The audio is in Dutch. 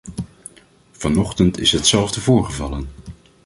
Vanochtend is hetzelfde voorgevallen.